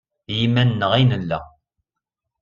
I yiman-nneɣ ay nella.